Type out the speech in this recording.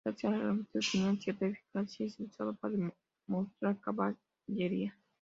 Gracias a su longitud, tenían cierta eficacia si se usaban para desmontar caballería.